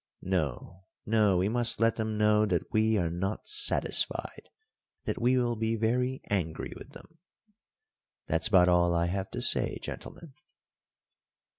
No, no; we must let them know that we are not satisfied, that we will be very angry with them. That's about all I have to say, gentlemen."